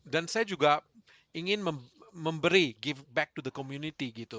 dan saya juga ingin memberi give back to the community